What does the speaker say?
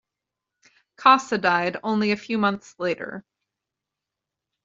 Cossa died only a few months later.